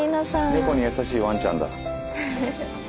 猫に優しいワンちゃんだ。